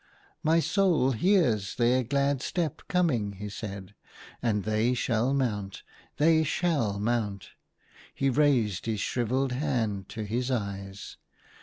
" My soul hears their glad step coming," he said ;" and they shall mount ! they shall mount !" He raised his shrivelled hand to his eyes.